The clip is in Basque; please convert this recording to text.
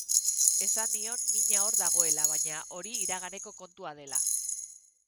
Esan nion mina hor dagoela, baina hori iraganeko kontua dela.